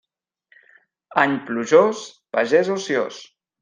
Any plujós, pagès ociós.